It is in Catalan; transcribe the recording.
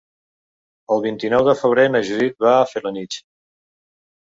El vint-i-nou de febrer na Judit va a Felanitx.